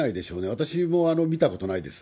私も見たことないです。